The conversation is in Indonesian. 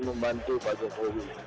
membantu pak jokowi